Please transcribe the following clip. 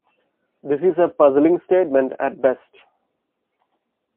This is a puzzling statement at best.